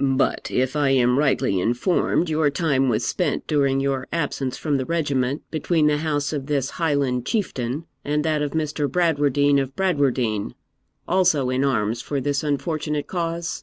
'But, if I am rightly informed, your time was spent, during your absence from the regiment, between the house of this Highland Chieftain and that of Mr. Bradwardine of Bradwardine, also in arms for this unfortunate cause?'